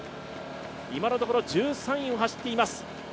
今のところ１３位を走っています。